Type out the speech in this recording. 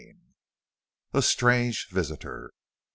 A STRANGE VISITOR.